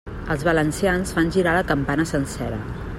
Els valencians fan girar la campana sencera.